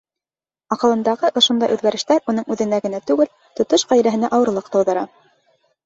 Аҡылындағы ошондай үҙгәрештәр уның үҙенә генә түгел, тотош ғаиләһенә ауырлыҡ тыуҙыра.